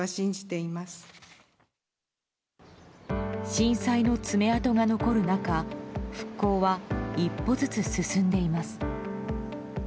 震災の爪痕が残る中復興は一歩ずつ進んでいます。